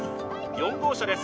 ４号車です